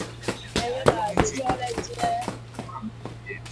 ñkwañga ñgan.